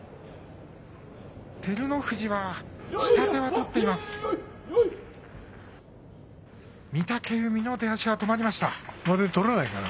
照ノ富士は下手は取っています。